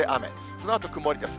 そのあと曇りです。